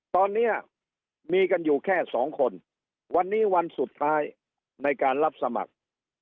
ตอนนี้มีกันอยู่แค่สองคนวันนี้วันสุดท้ายในการรับสมัคร